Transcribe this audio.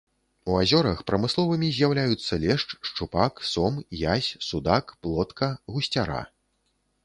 У азёрах прамысловымі з'яўляюцца лешч, шчупак, сом, язь, судак, плотка, гусцяра.